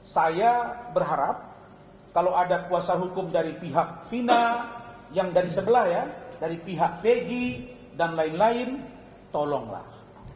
saya berharap kalau ada kuasa hukum dari pihak fina yang dari sebelah ya dari pihak pg dan lain lain tolonglah